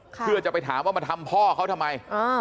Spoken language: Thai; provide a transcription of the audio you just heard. เพื่อจะไปถามว่ามาทำพ่อเขาทำไม